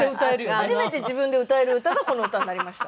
初めて自分で歌える歌がこの歌になりました。